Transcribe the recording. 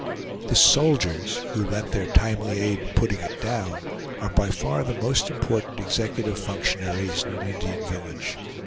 The "soldiers," who lent their timely aid in putting it down, are by far the most important executive functionaries in an Indian village.